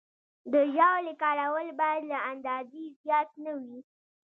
د ژاولې کارول باید له اندازې زیات نه وي.